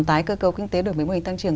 tái cơ cấu kinh tế đổi mới mô hình tăng trưởng